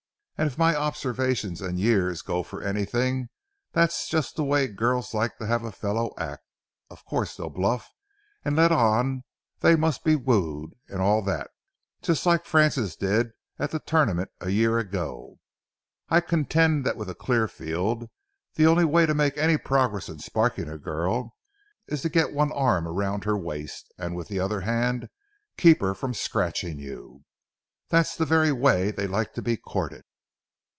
And if my observation and years go for anything, that's just the way girls like to have a fellow act. Of course they'll bluff and let on they must be wooed and all that, just like Frances did at the tournament a year ago. I contend that with a clear field the only way to make any progress in sparking a girl, is to get one arm around her waist, and with the other hand keep her from scratching you. That's the very way they like to be courted."